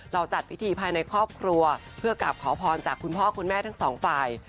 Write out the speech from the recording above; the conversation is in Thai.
จัดพิธีภายในครอบครัวเพื่อกลับขอพรจากคุณพ่อคุณแม่ทั้งสองฝ่าย